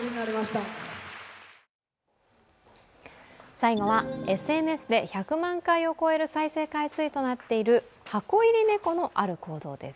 最後はＳＮＳで１００万回の再生となっている箱入り猫のある行動です。